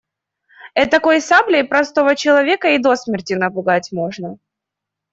Этакой саблей простого человека и до смерти напугать можно.